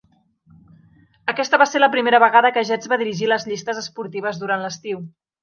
Aquesta va ser la primera vegada que Jetz va dirigir les llistes esportives durant l'estiu.